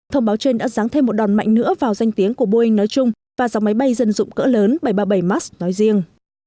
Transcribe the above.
thông báo trên đã ráng thêm một đòn mạnh nữa vào danh tiếng của boeing nói chung và dòng máy bay dân dụng cỡ lớn bảy trăm ba mươi bảy max nói riêng